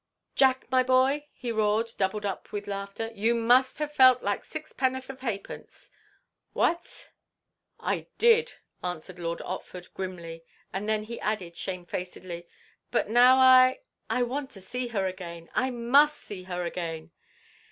"Jack, my boy," he roared, doubled up with laughter, "you must have felt like six pennorth o' ha' pence—what?" "I did," answered Lord Otford, grimly; and then he added shamefacedly, "But now I—I want to see her again. I must see her again."